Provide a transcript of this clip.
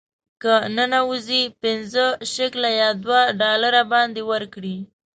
که ننوځې پنځه شکله یا دوه ډالره باید ورکړې.